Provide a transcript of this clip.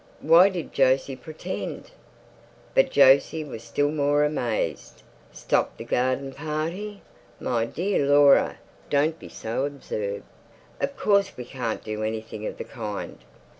Why did Jose pretend? But Jose was still more amazed. "Stop the garden party? My dear Laura, don't be so absurd. Of course we can't do anything of the kind.